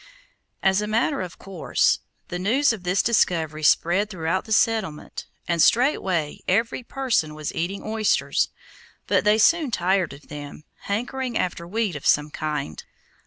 As a matter of course, the news of this discovery spread throughout the settlement, and straightway every person was eating oysters; but they soon tired of them, hankering after wheat of some kind.